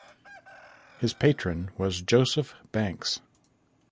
His patron was Joseph Banks.